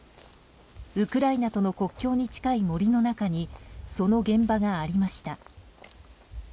ウクライナとの国境に近い森の中にその現場がありました。